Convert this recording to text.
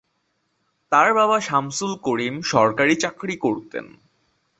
তার বাবা শামসুল করিম সরকারি চাকরি করতেন।